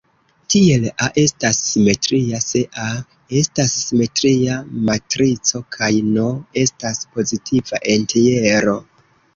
Tiel "A" estas simetria se "A" estas simetria matrico kaj "n" estas pozitiva entjero.